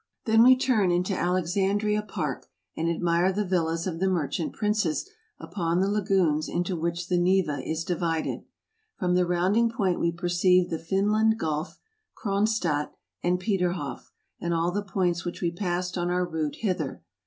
Then we turn into Alexandria Park, and admire the villas of the merchant princes upon the lagoons into which the Neva is divided. From the rounding point we perceive the Finland Gulf, Cronstadt, and Peterhoff, and all the points which we passed on our route hither.